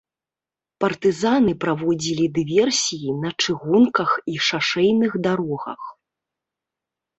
Партызаны праводзілі дыверсіі на чыгунках і шашэйных дарогах.